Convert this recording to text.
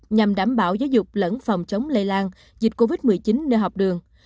nhằm đảm bảo giáo dục lẫn phòng chống lây lan dịch covid một mươi chín nơi học đường